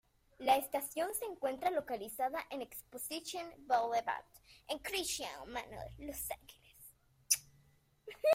La estación se encuentra localizada en "Exposition Boulevard" en Crenshaw Manor, Los Ángeles.